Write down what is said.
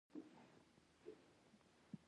له پامه وغورځوو